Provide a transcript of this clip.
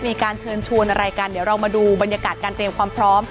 มีการเชิญชวนอะไรกันเดี๋ยวเรามาดูบรรยากาศการเตรียมความพร้อม